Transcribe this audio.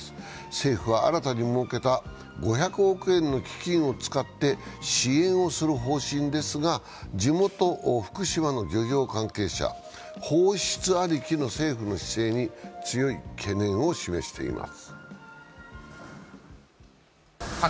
政府は新たに設けた５００億円の基金を使って支援をする方針ですが地元・福島の漁業関係者、放出ありきの政府の姿勢に強い懸念を示しています。